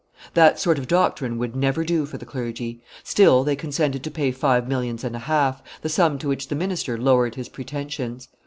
That sort of doctrine would never do for the clergy; still they consented to pay five millions and a half, the sum to which the minister lowered his pretensions.